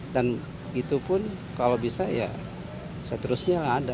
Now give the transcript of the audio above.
dan itu pun kalau bisa ya seterusnya ada